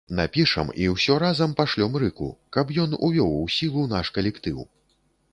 Напішам і ўсё разам пашлём рыку, каб ён увёў у сілу наш калектыў.